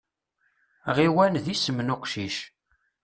Ɣiwan d isem n uqcic.